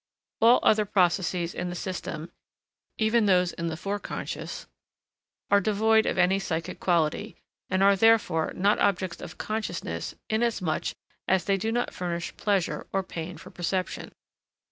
All other processes in the system, even those in the foreconscious, are devoid of any psychic quality, and are therefore not objects of consciousness inasmuch as they do not furnish pleasure or pain for perception.